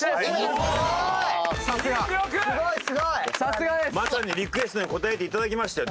まさにリクエストに応えて頂きましたよ